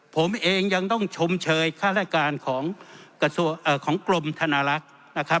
ผมเองยังต้องชมเชยค่าแรการของกรมธนรัก